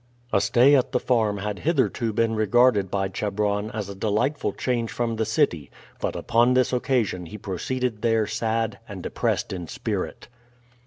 A stay at the farm had hitherto been regarded by Chebron as a delightful change from the city, but upon this occasion he proceeded there sad and depressed in spirit.